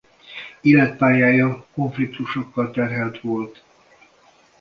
Életpályája konfliktusokkal terhelt volt.